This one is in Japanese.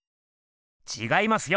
ちがいますよ！